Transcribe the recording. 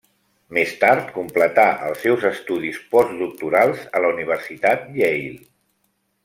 Més tard completà els seus estudis postdoctorals a la Universitat Yale.